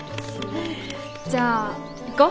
じゃあ行こう。